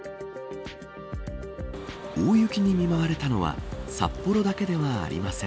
大雪に見舞われたのは札幌だけではありません。